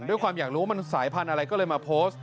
ด้วยความอยากรู้ว่ามันสายพันธุ์อะไรก็เลยมาโพสต์